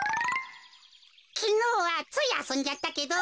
きのうはついあそんじゃったけど。